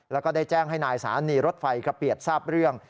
แล้วก็ได้แจ้งให้นายสถานีรถไฟกระเปียดทราบเรื่อง